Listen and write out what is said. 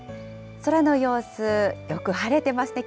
空の様子、よく晴れてますね。